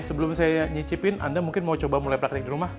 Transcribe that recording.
sebelum saya nyicipin anda mungkin mau coba mulai praktik di rumah